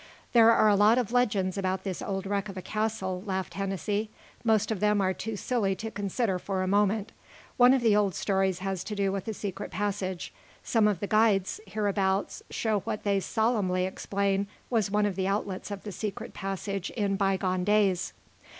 "There are a lot of legends about this old wreck of a castle," laughed Hennessy. "Most of them are too silly to consider for a moment. One of the old stories has to do with a secret passage. Some of the guides hereabouts show what they solemnly explain was one of the outlets of the secret passage in bygone days.